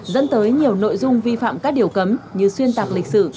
dẫn tới nhiều nội dung vi phạm các điều cấm như xuyên tạc lịch sử